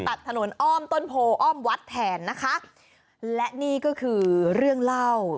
ตัดถนนอ้อมต้นโพออ้อมวัดแทนนะคะและนี่ก็คือเรื่องเล่า